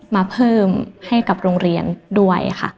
มาเพิ่มให้กับโรงเรียนด้วยค่ะ